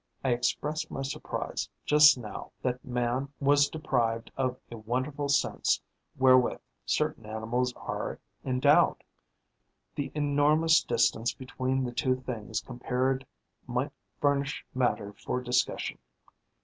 I expressed my surprise, just now, that man was deprived of a wonderful sense wherewith certain animals are endowed. The enormous distance between the two things compared might furnish matter for discussion.